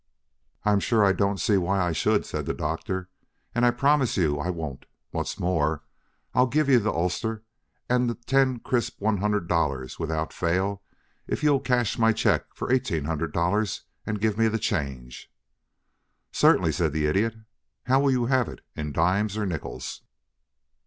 "I'm sure I don't see why I should," said the Doctor. "And I promise you I won't. What's more, I'll give you the ulster and the ten crisp one hundred dollars without fail if you'll cash my check for eighteen hundred dollars and give me the change." "Certainly," said the Idiot. "How will you have it, in dimes or nickels?"